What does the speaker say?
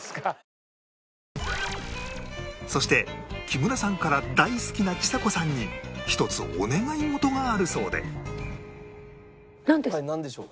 そして木村さんから大好きなちさ子さんに一つお願い事があるそうでなんですか？